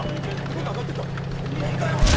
僕、上がってったら本物だよ、あれ！